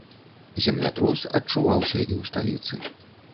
Землятрус адчуваўся і ў сталіцы.